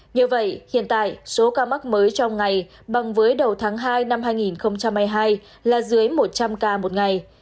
như vậy hiện tại số ca mắc mới trong ngày bằng với đầu tháng hai năm hai nghìn hai mươi hai là dưới một trăm linh ca một ngày